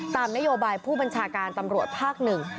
ตามนโยบายผู้บัญชาการตำรวจภาคหนึ่ง